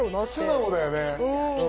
素直だよね。